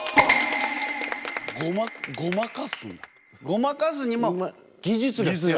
ごまかすにも技術が必要？